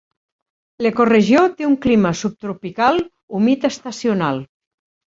L’ecoregió té un clima subtropical humit estacional.